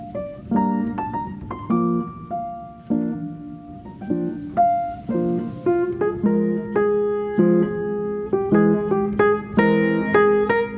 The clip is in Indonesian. pak bisa lebih cepat nggak pak